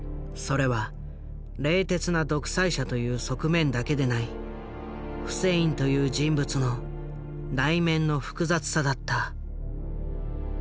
それは「冷徹な独裁者」という側面だけでないフセインという人物の内面の複雑さだった。